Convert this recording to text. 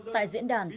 tại diễn đàn